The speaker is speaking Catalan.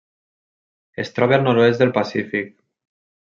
Es troba al nord-oest del Pacífic.